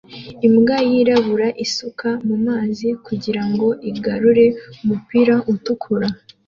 Imbwa yirabura isuka mumazi kugirango igarure umupira utukura